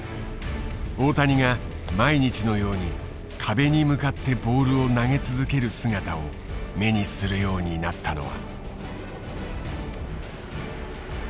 大谷が毎日のように壁に向かってボールを投げ続ける姿を目にするようになったのは。